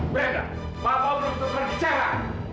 brenda bapak belum terpercaya